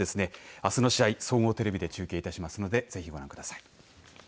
あすの試合総合テレビで中継いたしますのでぜひご覧ください。